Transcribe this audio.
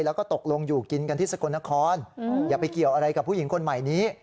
แล้วก็ตกลงอยู่กินกันที่สกลนครอย่าไปเกี่ยวอะไรกับผู้หญิงคนใหม่นี้